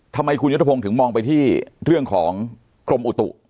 ทำไมคุณยุทธพงศ์ถึงมองไปที่เรื่องของกรมอุตุ